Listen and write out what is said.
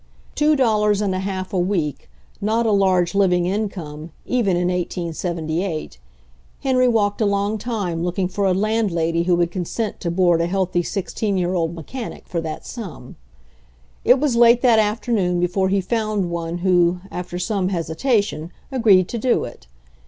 Two dollars and a half a week, not a large living income, even in 1878. Henry walked a long time looking for a landlady who would con sent to board a healthy sixteen year old mechanic for that sum. It was late that afternoon before he found one who, after some hesitation, agreed to do it.